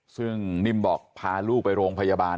ซึ่งนิ่มบอกพาลูกไปโรงพยาบาล